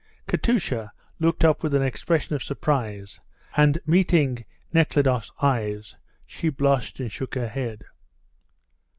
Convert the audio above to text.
Katusha looked up with an expression of suspense, and meeting Nekhludoff's eyes, she blushed and shook her head.